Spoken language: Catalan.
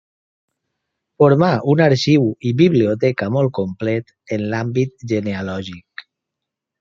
Formà un arxiu i biblioteca molt complet en l'àmbit genealògic.